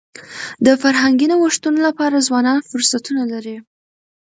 د فرهنګي نوښتونو لپاره ځوانان فرصتونه لري.